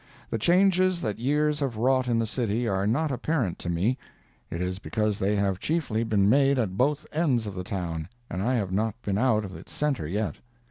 The changes that years have wrought in the city are not apparent to me. It is because they have chiefly been made at both ends of the town, and I have not been out of its centre yet.